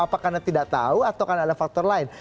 apa karena tidak tahu atau karena ada faktor lain